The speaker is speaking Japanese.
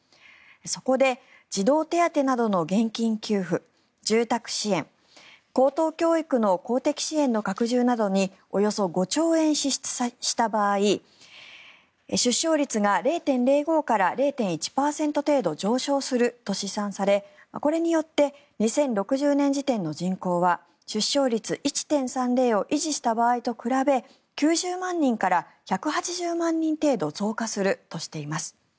そこで、児童手当などの現金給付住宅支援高等教育の公的支援の拡充などにおよそ５兆円支出した場合出生率が０．０５から０．１％程度上昇すると試算されこれによって２０６０年時点の人口は出生率１．３０を維持した場合と比べ９０万人から１８０万人程度増加するとしています。